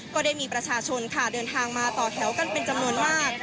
ก็ได้มีประชาชนค่ะเดินทางมาต่อแถวกันเป็นจำนวนมาก